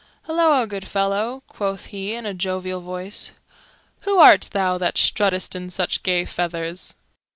"Hilloa, good fellow," quoth he in a jovial voice, "who art thou that struttest in such gay feathers?"